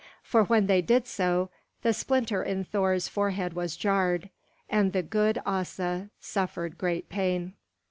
For when they did so, the splinter in Thor's forehead was jarred, and the good Asa suffered great pain.